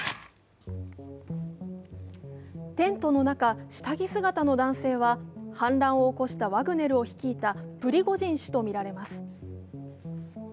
テントの中、下着姿の男性は反乱を起こしたワグネルを率いたプリゴジン氏とみられます。